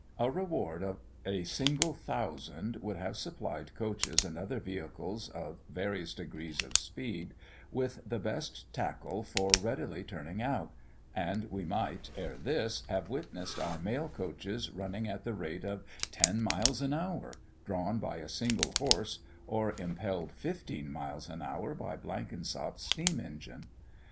A reward of a single thousand would have supplied coaches and other vehicles, of various degrees of speed, with the best tackle for readily turning out; and we might, ere this, have witnessed our mail coaches running at the rate of 10 miles an hour, drawn by a single horse, or impelled 15 miles an hour by Blenkinsop's steam engine.